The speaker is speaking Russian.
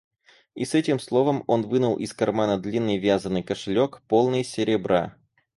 И с этим словом он вынул из кармана длинный вязаный кошелек, полный серебра.